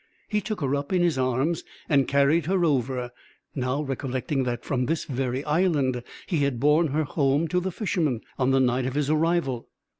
He took her up in his arms, and carried her over, now recollecting that from this very island he had borne her home to the Fisherman, on the night of his arrival.